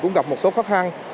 cũng gặp một số khó khăn